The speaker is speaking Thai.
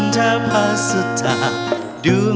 เพราะในลมพัดพาหัวใจพี่ไปถึง